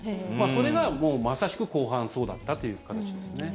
それがまさしく、後半そうだったという形ですね。